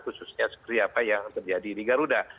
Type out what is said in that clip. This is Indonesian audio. khususnya seperti apa yang terjadi di garuda